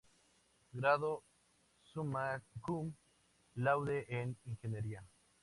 Grado Summa Cum Laude en Ingeniería.